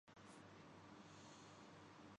اپنا سفر شروع کرتے ہیں